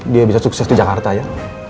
dia bisa sukses di jakarta ya